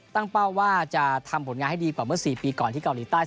เป้าว่าจะทำผลงานให้ดีกว่าเมื่อ๔ปีก่อนที่เกาหลีใต้